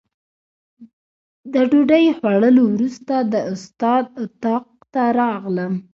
د ډوډۍ خوړلو وروسته د استاد اتاق ته راغلم.